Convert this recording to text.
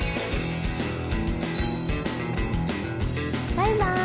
バイバイ！